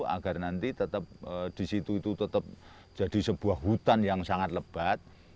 agar nanti tetap di situ itu tetap jadi sebuah hutan yang sangat lebat